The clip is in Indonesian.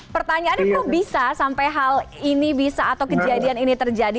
pertanyaannya kok bisa sampai hal ini bisa atau kejadian ini terjadi